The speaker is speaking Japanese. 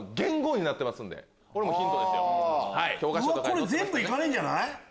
これ全部行かれるんじゃない？